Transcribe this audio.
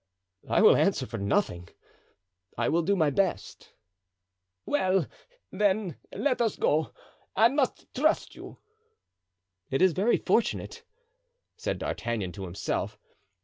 "I will answer for nothing. I will do my best." "Well, then, let us go—I must trust to you." "It is very fortunate," said D'Artagnan to himself.